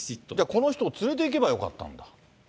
この人を連れていけばよかったんだ。